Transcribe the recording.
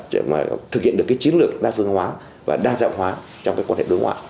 để mà thực hiện được cái chiến lược đa phương hóa và đa dạng hóa trong cái quan hệ đối ngoại